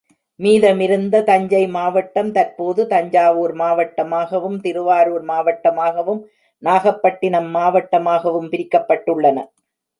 மீதமிருந்த தஞ்சை மாவட்டம் தற்போது தஞ்சாவூர் மாவட்டமாகவும், திருவாரூர் மாவட்டமாகவும், நாகப்பட்டினம் மாவட்டமாகவும் பிரிக்கப்பட்டுள்ளன.